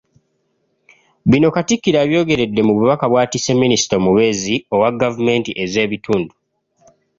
Bino Katikkiro abyogeredde mu bubaka bw’atisse minisita omubeezi owa gavumenti ez’ebitundu.